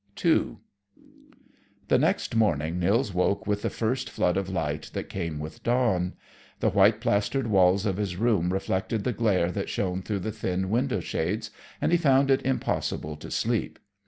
II The next morning Nils woke with the first flood of light that came with dawn. The white plastered walls of his room reflected the glare that shone through the thin window shades, and he found it impossible to sleep.